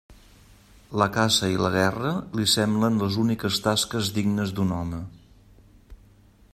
La caça i la guerra li semblen les úniques tasques dignes d'un home.